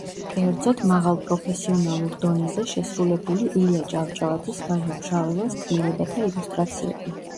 კერძოდ მაღალ პროფესიონალურ დონეზე შესრულებული ილია ჭავჭავაძის, ვაჟა ფშაველას ქმნილებათა ილუსტრაციები.